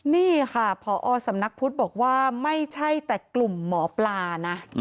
นี่ค่ะพอสำนักพุทธบอกว่าไม่ใช่แต่กลุ่มหมอปลานะ